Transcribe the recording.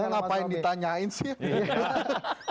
ngapain ditanyain sih